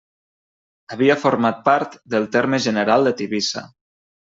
Havia format part del terme general de Tivissa.